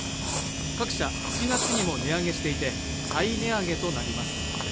各社１月にも値上げしていて再値上げとなります